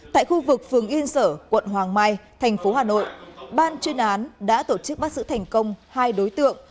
tại khu vực phường yên sở quận hoàng mai thành phố hà nội ban chuyên án đã tổ chức bắt giữ thành công hai đối tượng